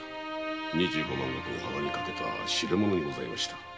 二十五万石を鼻にかけたシレ者にございました。